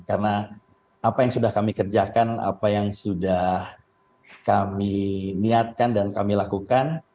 karena apa yang sudah kami kerjakan apa yang sudah kami niatkan dan kami lakukan